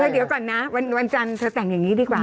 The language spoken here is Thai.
เดี๋ยวก่อนนะวันจันทร์เธอแต่งอย่างนี้ดีกว่า